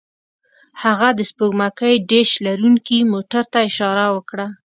هغه د سپوږمکۍ ډیش لرونکي موټر ته اشاره وکړه